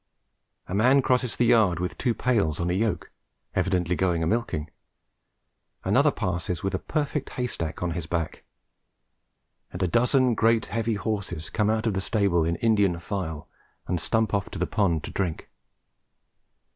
A man crosses the yard with two pails on a yoke, evidently going a milking; and another passes with a perfect hay stack on his back, and a dozen great heavy horses come out of the stable in Indian file and stump off to the pond to drink.